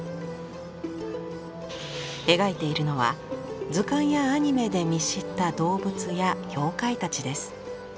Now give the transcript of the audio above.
描いているのは図鑑やアニメで見知った動物や妖怪たちです。